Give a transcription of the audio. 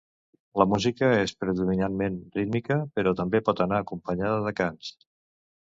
La música és predominantment rítmica, però també pot anar acompanyada de cants.